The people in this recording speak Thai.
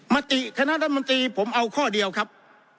มติคณะรัฐมนตรีผมเอาข้อเดียวครับ